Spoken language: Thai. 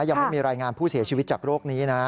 ยังไม่มีรายงานผู้เสียชีวิตจากโรคนี้นะ